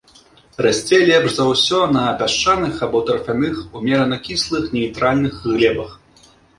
Расце лепш за ўсё на пясчаных або тарфяных, умерана кіслых нейтральных глебах.